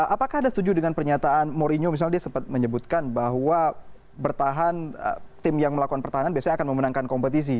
apakah anda setuju dengan pernyataan mourinho misalnya dia sempat menyebutkan bahwa bertahan tim yang melakukan pertahanan biasanya akan memenangkan kompetisi